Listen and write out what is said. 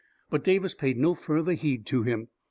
But Davis paid no further heed to him.